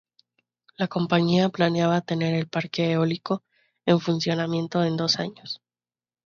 La compañía planeaba tener el parque eólico en funcionamiento en dos años.